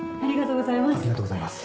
ありがとうございます。